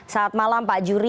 selamat malam pak juri